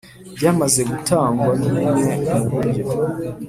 byamaze gutangwa nubumwe muburyo